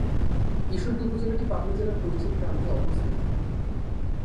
ঈশ্বরদী উপজেলাটি পাবনা জেলার পশ্চিম প্রান্তে অবস্থিত।